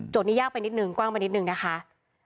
นี้ยากไปนิดนึงกว้างไปนิดนึงนะคะ